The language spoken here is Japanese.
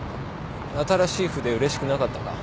新しい筆うれしくなかったか？